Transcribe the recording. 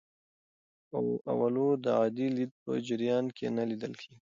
اولو د عادي لید په جریان کې نه لیدل کېږي.